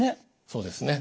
そうですね。